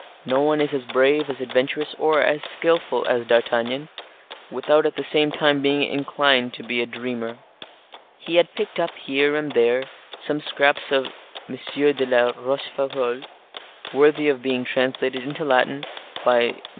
No one is as brave, as adventurous, or as skillful as D'Artagnan, without at the same time being inclined to be a dreamer. He had picked up, here and there, some scraps of M. de la Rochefoucault, worthy of being translated into Latin by MM.